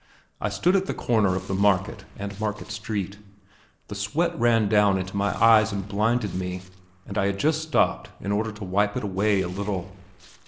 I stood at the corner of the market and Market Street; the sweat ran down into my eyes and blinded me, and I had just stopped in order to wipe it away a little.